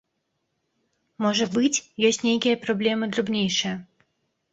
Можа быць, ёсць нейкія праблемы драбнейшыя.